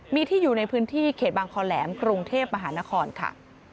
มีที่อยู่ในพื้นที่เขตบางคอแหลมกรุงเทพมหานครค่ะ